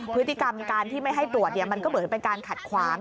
พฤติกรรมการที่ไม่ให้ตรวจมันก็เหมือนเป็นการขัดขวาง